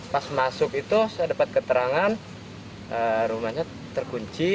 pas masuk itu saya dapat keterangan rumahnya terkunci